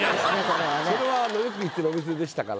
それはよく行くお店でしたから。